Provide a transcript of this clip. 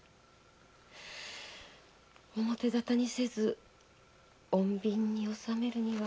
表沙汰にせず穏便に済ませるには。